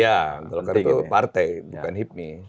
ya golkar itu partai bukan hipmi